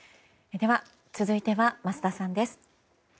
では、続いては桝田さんです。